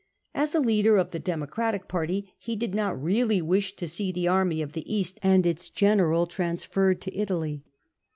As a leader of the Democratic party, he did not really wish to see the army of the East and its general transferred to Italy.